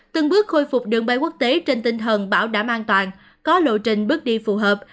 từng bước khôi phục đường bay quốc tế trên tinh thần bảo đảm an toàn có lộ trình bước đi phù hợp